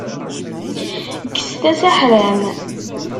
Kkset-as aḥram.